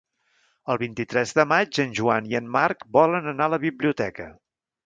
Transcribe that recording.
El vint-i-tres de maig en Joan i en Marc volen anar a la biblioteca.